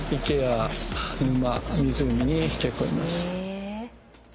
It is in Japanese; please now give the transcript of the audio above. え。